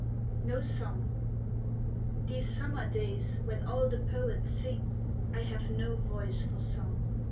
NO SONG These summer days when all the poets sing I have no voice for song.